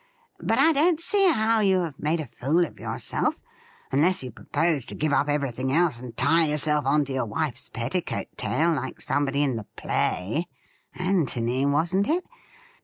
But I don't see how you have made a fool of yourself unless you propose to give up everything else, and tie yourself on to your wife's petticoat tail like somebody in the play — ^Antony, wasn't it